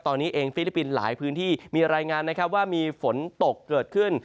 ตอนนี้เองฟิลิปปินส์หลายพื้นที่มีรายงานนะครับว่ามีฝนตกเกิดขึ้น